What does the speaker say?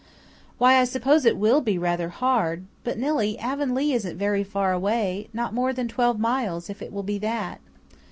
"Why, I suppose it will be rather hard. But, Nillie, Avonlea isn't very far away not more than twelve miles, if it will be that."